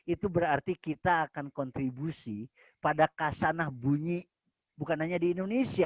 itu berarti kita akan kontribusi pada kasanah bunyi bukan hanya di indonesia